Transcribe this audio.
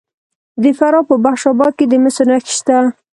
د فراه په بخش اباد کې د مسو نښې شته.